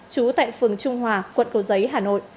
trú tại phường trung hòa quận cầu giấy hà nội